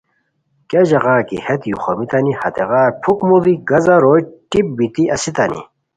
کیہ ژاغا کی ہیت یو خومیتانی ہیغار پُھک موڑی گازہ روئے ٹیپ بیتی استانی